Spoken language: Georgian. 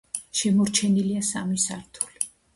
შემორჩენილია სამი სართული.